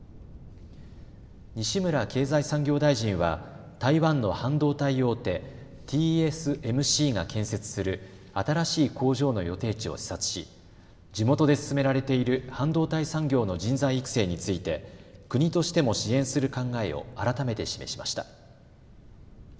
西村経済産業大臣は台湾の半導体大手ＴＳＭＣが建設する新しい工場の予定地を視察し地元で進められている半導体産業の人材育成について国としても支援する考えを改めて示しました。